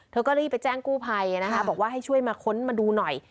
เธอก็รีบไปแจ้งกู้ภัยนะคะบอกว่าให้ช่วยมาค้นมาดูหน่อย